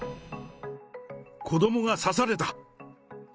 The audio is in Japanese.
子どもが刺された。